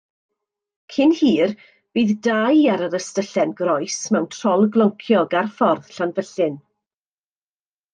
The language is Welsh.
Cyn hir bydd dau ar yr ystyllen groes, mewn trol glonciog, ar ffordd Llanfyllin.